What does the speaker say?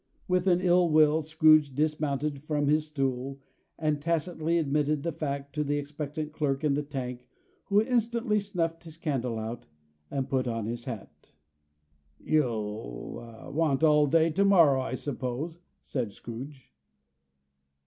With an ill will Scrooge dismounted from his stool, and tacitly admitted the fact to the expectant clerk in the tank, who instantly snuffed his candle out, and put on his hat. "You'll want all day to morrow, I suppose?" said Scrooge.